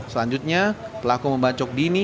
selanjutnya pelaku membacok dini